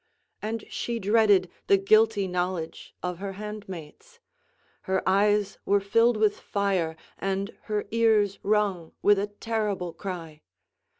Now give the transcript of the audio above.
And she dreaded the guilty knowledge of her handmaids; her eyes were filled with fire and her ears rung with a terrible cry.